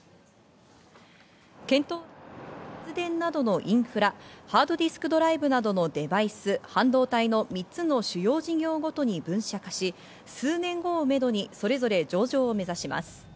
検討案では発電などのインフラ、ハードディスクドライブなどのデバイス、半導体の３つの主要事業ごとに分社化し、数年後をめどに、それぞれ上場を目指します。